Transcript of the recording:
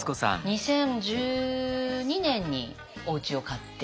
２０１２年におうちを買って。